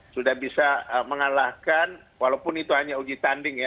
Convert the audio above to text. sudah bisa mengalahkan walaupun itu hanya uji tanding ya